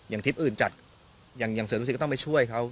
ทริปอื่นจัดอย่างเสือดุสิตก็ต้องไปช่วยเขา